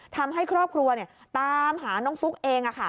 ทำให้ครอบครัวตามหาน้องฟุ๊กเอง